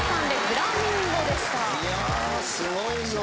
すごいぞ。